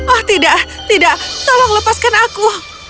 oh tidak tidak tolong lepaskan aku